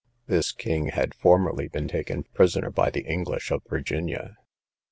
This king had formerly been taken prisoner by the English of Virginia.